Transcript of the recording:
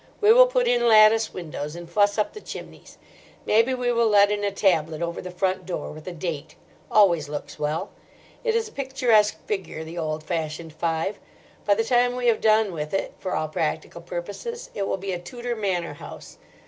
We will put in lattice windows, and fuss up the chimneys. Maybe we will let in a tablet over the front door, with a date—always looks well: it is a picturesque figure, the old fashioned five. By the time we have done with it—for all practical purposes—it will be a Tudor manor house.